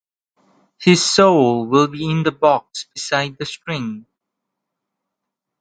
His soul will be in the box beside the string.